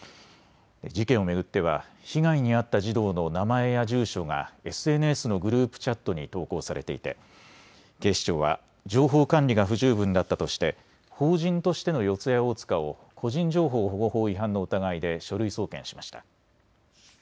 事件を巡っては被害に遭った児童の名前や住所がＳＮＳのグループチャットに投稿されていて警視庁は情報管理が不十分だったとして法人としての四谷大塚を個人情報保護法違反の疑いで書類送検しました。